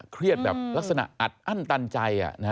เครียดแบบลักษณะอัดอั้นตันใจ